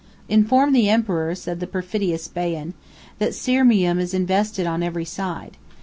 "Inform the emperor," said the perfidious Baian, "that Sirmium is invested on every side.